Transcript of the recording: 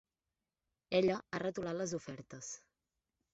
Ella ha retolat les ofertes.